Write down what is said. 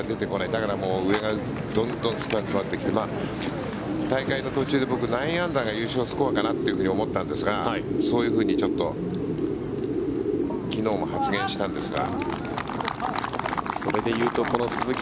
だから上がどんどんスコアが詰まってきて大会の途中で９アンダーが優勝スコアかなと思ったんですがそういうふうに昨日も発言したんですが。